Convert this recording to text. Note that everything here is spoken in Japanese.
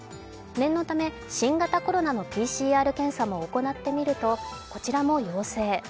念のため新型コロナのＰＣＲ検査も行ってみると、こちらも陽性。